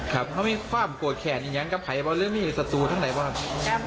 ครับเขามีฝ้ามกวดแขนอย่างเงี้ยกับไผลบาลเรื่องนี้สัดสูตรทั้งใดบ้าง